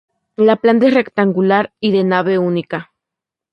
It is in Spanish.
La planta es rectangular y de nave única.